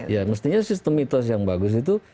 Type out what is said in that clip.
ya mestinya sistem mitos yang bagus itu